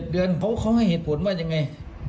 อ๋อ๓๗เดือนเพราะเขาให้เหตุผลว่าอย่างไร